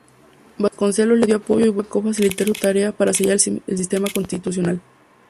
Vasconcelos le dio apoyo y buscó facilitar su tarea para sellar el sistema constitucional.